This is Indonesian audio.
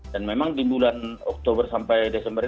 dan memang di bulan oktober sampai desember ini